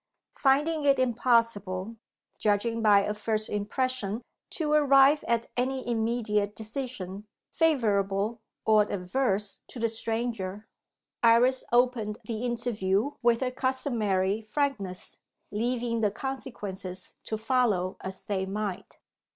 Finding it impossible, judging by a first impression, to arrive at any immediate decision favourable or adverse to the stranger, Iris opened the interview with her customary frankness; leaving the consequences to follow as they might.